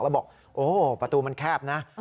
แล้วบอกโอ้ประตูมันแคบนะ